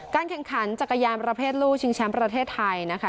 แข่งขันจักรยานประเภทลูกชิงแชมป์ประเทศไทยนะคะ